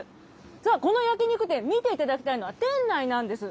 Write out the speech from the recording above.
さあ、この焼き肉店、見ていただきたいのは店内なんです。